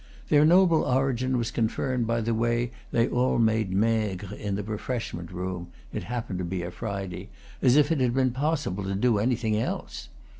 Their noble origin was confirmed by the way they all made maigre in the refreshment oom (it happened to be a Friday), as if it had been possible to do anything else.